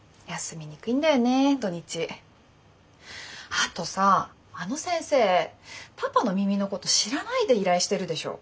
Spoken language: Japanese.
あとさあの先生パパの耳のこと知らないで依頼してるでしょ。